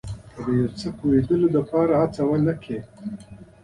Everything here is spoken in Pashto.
که د یو څه پوهېدلو لپاره هڅه ونه کړئ.